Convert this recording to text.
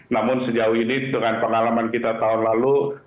namun sejauh ini dengan pengalaman kita tahun lalu